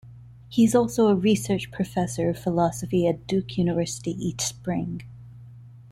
He is also a Research Professor of Philosophy at Duke University each Spring.